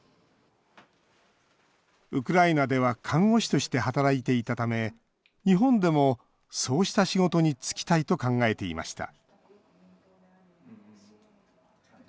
ウクライナでは看護師として働いていたため日本でも、そうした仕事につきたいと考えていました